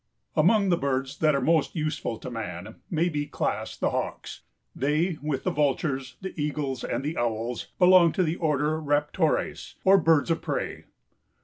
Among the birds that are most useful to man may be classed the Hawks. They, with the vultures, the eagles and the owls, belong to the bird order Raptores, or birds of prey.